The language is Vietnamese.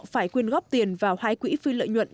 phải quyên góp tiền vào hai quỹ phi lợi nhuận